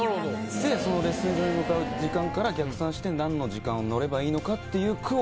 でそのレッスン場に向かう時間から逆算してなんの時間乗ればいいのかっていう句を。